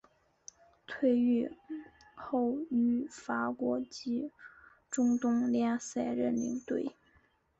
退役后于法国及中东联赛任领队。